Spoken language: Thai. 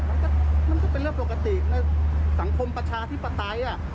มันก็มันก็เป็นเรื่องปกติในสังคมประชาธิปไตย